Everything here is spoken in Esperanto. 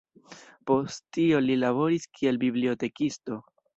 Post tio li laboris kiel bibliotekisto.